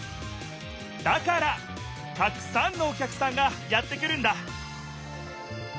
だからたくさんのお客さんがやってくるんだ！